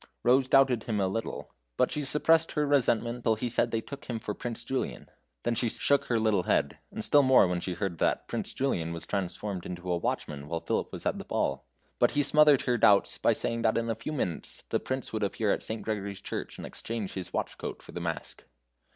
Rose doubted him a little, but she suppressed her resentment until he said they took him for Prince Julian. Then she shook her little head, and still more when she heard that Prince Julian was transformed into a watchman while Philip was at the ball. But he smothered her doubts by saying that in a few minutes the Prince would appear at St. Gregory's Church and exchange his watch coat for the mask.